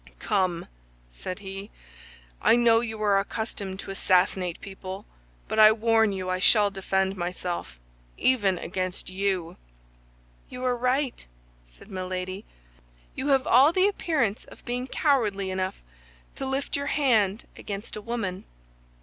"Come!" said he. "I know you are accustomed to assassinate people; but I warn you I shall defend myself, even against you." "You are right," said Milady. "You have all the appearance of being cowardly enough to lift your hand against a woman."